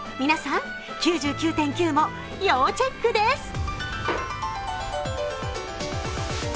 皆さん「９９．９」も要チェックです。